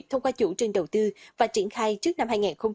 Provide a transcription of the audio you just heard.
thông qua chủ trình đầu tư và triển khai trước năm hai nghìn ba mươi